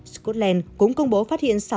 scotland cũng công bố phát hiện